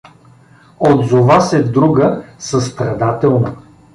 — отзова се друга състрадателно.